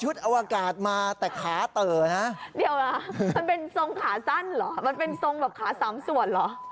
หนูคิดว่าจะต้องการเสียโรคที่ดีต้องเริ่มมาจากตัวเราเอง